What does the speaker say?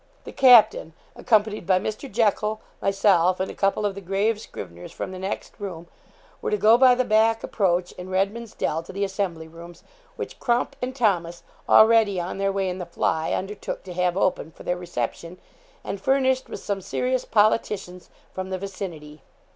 The captain, accompanied by Mr. Jekyl, myself, and a couple of the grave scriveners from the next room, were to go by the back approach and Redman's Dell to the Assembly Rooms, which Crump and Thomas, already on their way in the fly, undertook to have open for their reception, and furnished with some serious politicians from the vicinity.